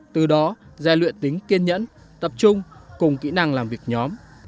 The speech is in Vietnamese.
từ đó gian luyện tính kiên nhẫn tập trung cùng kỹ năng làm việc nhóm